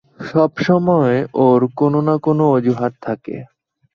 সবসময় ওর কোনো না কোনো অজুহাত থাকে।